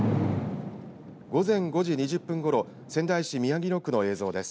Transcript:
午前５時２０分ごろ仙台市宮城野区の映像です。